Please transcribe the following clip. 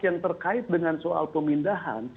yang terkait dengan soal pemindahan